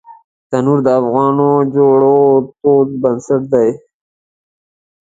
تنور د افغانو خوړو تود بنسټ دی